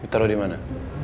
taruh di mana